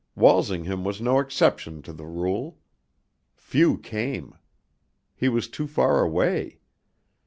Walsingham was no exception to the rule. Few came. He was too far away.